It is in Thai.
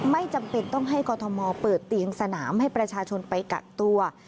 ไม่จำเป็นต้องให้กรทมเปิดเตียงสนามให้ประชาชนไปกักตัว